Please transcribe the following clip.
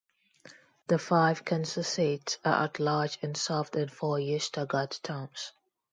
The five council seats are at large and served in four-year staggered terms.